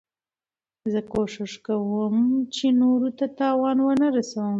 زه کوشش کوم، چي نورو ته تاوان و نه رسوم.